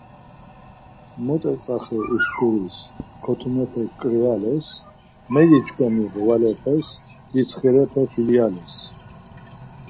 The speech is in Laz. Mot etzaxti uşkuris, kotumepek ǩriales, megiç̌ǩomi ğvalepes ditsxirepe filyales.